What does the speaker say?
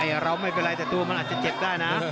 เราไม่เป็นไรแต่ตัวมันอาจจะเจ็บได้นะ